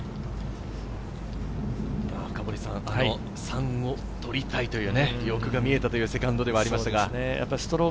３を取りたいという欲が見えたというセカンドではありますが。